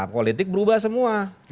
politik berubah semua